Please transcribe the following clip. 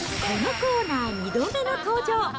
このコーナー２度目の登場。